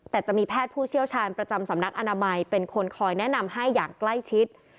แต่จะมีแพทย์ผู้เชี่ยวชาญประจำสำนักอนามัยเป็นคนคอยแนะนำให้อย่างใกล้ชิด